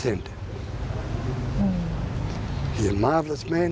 จากนี้ก็เป็นแสดง